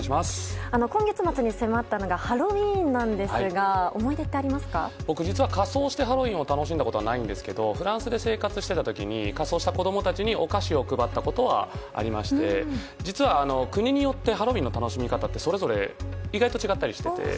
今月末に迫ったのがハロウィーンですが僕、実は仮装してハロウィーンを楽しんだことはないんですがフランスで生活していた時に仮装していた子供たちにお菓子を配ったことはありまして実は、国によってハロウィーンの楽しみ方ってそれぞれ意外と違ったりして。